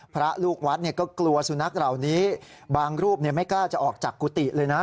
พระลูกวัดก็กลัวสุนัขเหล่านี้บางรูปไม่กล้าจะออกจากกุฏิเลยนะ